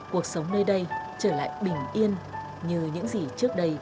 cuộc sống nơi đây trở lại bình yên như những gì trước đây vốn có